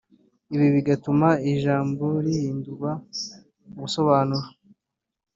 ibi bigatuma ijambo rihindura ubusobanuro